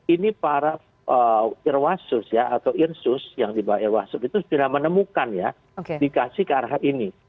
ini para irwasus ya atau irsus yang dibawa irwasub itu sudah menemukan ya dikasih ke arah ini